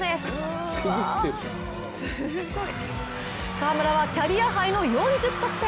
河村はキャリアハイの４０得点。